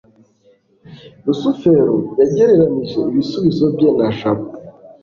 rusufero yagereranije ibisubizo bye na jabo